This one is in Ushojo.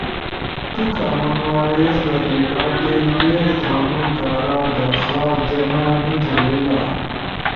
تو تمو کامن وائس در ریکارڈنگ پیر تھونو کارا درخواست جمع نی تھو بئیلا۔